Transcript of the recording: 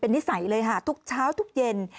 นิสัยเลยค่ะทุกเช้าทุกเย็น